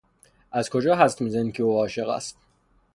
از کجا حدس میزنی که او عاشق است؟